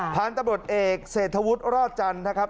ผ่านตำรวจเอกเศรษฐวุฒิรอดจันทร์นะครับ